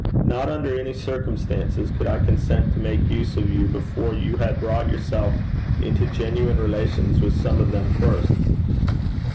Not under any circumstances could I consent to make use of you before you had brought yourself into genuine relations with some of them first.'